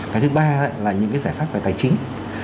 cái thứ ba là những cái giải pháp về tài chính